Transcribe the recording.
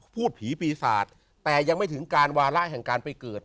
พูดผีปีศาจแต่ยังไม่ถึงการวาระแห่งการไปเกิด